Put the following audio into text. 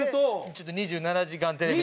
ちょっと『２７時間テレビ』の。